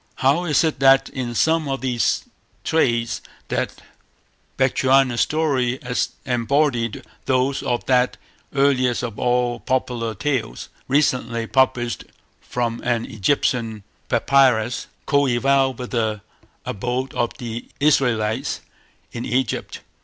How is it that in some of its traits that Bechuana story embodies those of that earliest of all popular tales, recently published from an Egyptian Papyrus, coeval with the abode of the Israelites in Egypt?